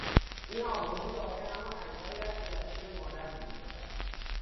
این آبگونه دارای همان اجزایی است که در شیر مادر وجود دارد.